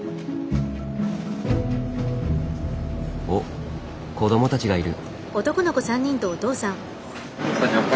おっ子どもたちがいる。